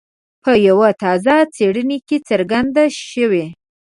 په یوه تازه څېړنه کې څرګنده شوي.